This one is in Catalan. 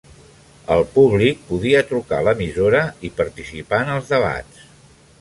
El públic podia trucar a l"emissora i participar en els debats.